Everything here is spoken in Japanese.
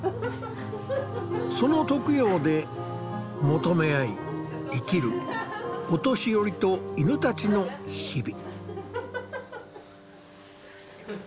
その特養で求め合い生きるお年寄りと犬たちの日々。